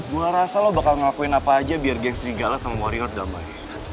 gue rasa lo bakal ngelakuin apa aja biar gas digala sama warrior damai